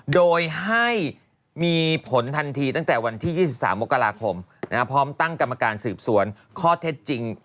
โดยให้มีผลทันทีตั้งแต่วันที่๒๓มกราคมพร้อมตั้งกรรมการสืบสวนข้อเท็จจริง